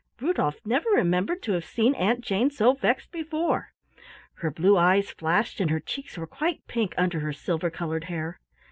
Rudolf never remembered to have seen Aunt Jane so vexed before. Her blue eyes flashed, and her cheeks were quite pink under her silver colored hair.